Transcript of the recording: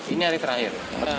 ini hari terakhir